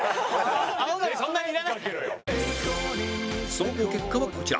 総合結果はこちら